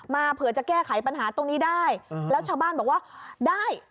เผื่อจะแก้ไขปัญหาตรงนี้ได้แล้วชาวบ้านบอกว่าได้